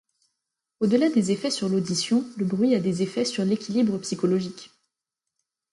Au-delà des effets sur l'audition, le bruit a des effets sur l'équilibre psychologique.